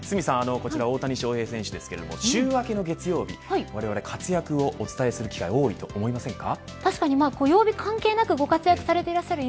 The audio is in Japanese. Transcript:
こちら大谷翔平選手ですけど週明けの月曜日、われわれ活躍をお伝えする機会多いと思いませんか。